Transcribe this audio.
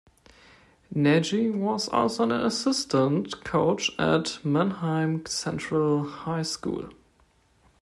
Nagy was also an assistant coach at Manheim Central High School.